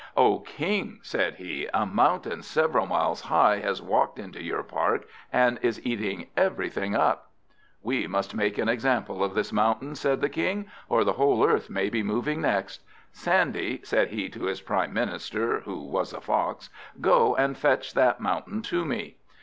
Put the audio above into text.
"O King," said he, "a mountain several miles high has walked into your park, and is eating everything up." "We must make an example of this mountain," said the King, "or the whole earth may be moving next. Sandy," said he to his Prime Minister, who was a Fox, "go and fetch that mountain to me."